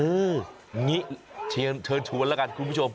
เอองี้เชิญทวนแล้วกันคุณผู้ชม